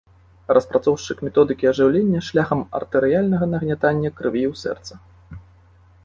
Распрацоўшчык методыкі ажыўлення шляхам артэрыяльнага нагнятання крыві ў сэрца.